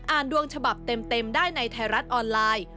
อ่านดวงฉบับเต็มได้ในไทรัศน์ออนไลน์